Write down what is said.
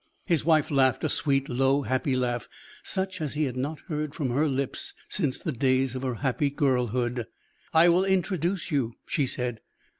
His wife laughed a sweet, low, happy laugh, such as he had not heard from her lips since the days of her happy girlhood. "I will introduce you," she said.